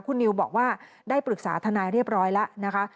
คุณนิวบอกว่าได้ปรึกษาทนายเรียบร้อยแล้วนะคะ